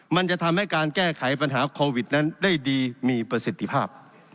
มันจะทำให้การแก้ไขปัญหาโควิดนั้นได้ดีมีประสิทธิภาพ